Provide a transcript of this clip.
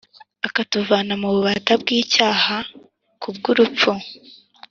akatuvana mu bubata bw icyaha Ku bw urupfu